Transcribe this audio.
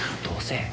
どうせ。